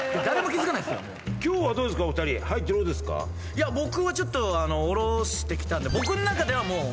いや僕はちょっとおろしてきたんで僕の中ではもう。